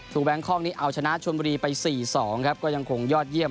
แบงคอกนี้เอาชนะชนบุรีไป๔๒ครับก็ยังคงยอดเยี่ยม